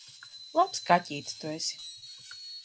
Labs kaķītis tu esi!